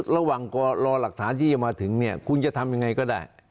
รอหลักฐานที่จะมาถึงเนี่ยคุณจะทำยังไงก็ได้